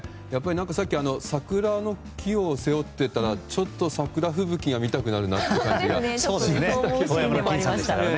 さっき、桜の木を背負っていたらちょっと桜吹雪が見たくなる気がしましたね。